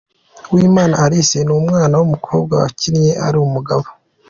Uwimana Alice ni umwana w'umukobwa wakinnye ari umugabo.